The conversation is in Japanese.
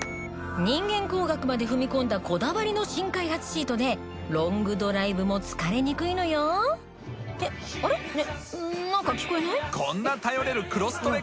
人間工学まで踏み込んだこだわりの新開発シートでロングドライブも疲れにくいのよ！オッホホ！